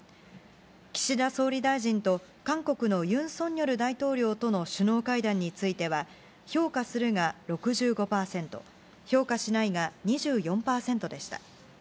岸田総理大臣と韓国のユン・ソンニョル大統領との首脳会談については、評価するが６５％、評価しないが２４％でした。